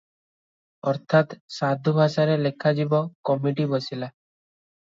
ଅର୍ଥାତ୍ ସାଧୁ ଭାଷାରେ ଲେଖା ଯିବ, କମିଟି ବସିଲା ।